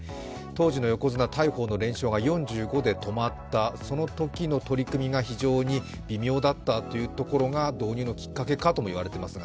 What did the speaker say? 当時の横綱・大鵬の連勝が４５で止まった、そのときの取組が非常に微妙だったところが導入のきっかけかとも言われています。